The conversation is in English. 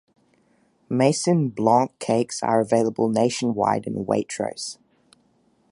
Maison Blanc cakes are available nationwide in Waitrose.